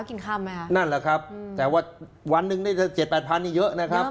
กินคำนะครับนั่นแหละครับแต่ว่าวันนึง๗๘พันเยอะนะครับเยอะ